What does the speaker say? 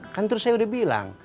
kan terus saya udah bilang